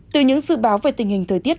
từ những dự báo về tình hình thời tiết